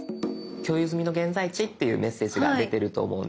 「共有済みの現在地」っていうメッセージが出てると思うんです。